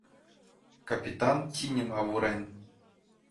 Капитан тиньым авурен.